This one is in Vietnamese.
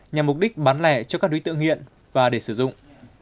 nhằm mục đích bán lẻ cho các đối tượng nghiện và để sử dụng